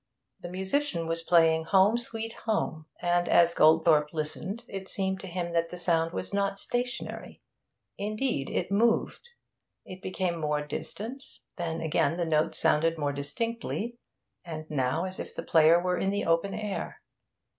The musician was playing 'Home, Sweet Home,' and as Goldthorpe listened it seemed to him that the sound was not stationary. Indeed, it moved; it became more distant, then again the notes sounded more distinctly, and now as if the player were in the open air.